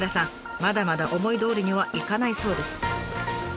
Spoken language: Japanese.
まだまだ思いどおりにはいかないそうです。